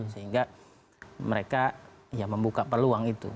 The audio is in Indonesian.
sehingga mereka ya membuka peluang itu